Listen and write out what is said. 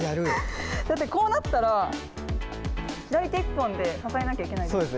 こうなったら左手１本で支えなきゃいけないんですよね。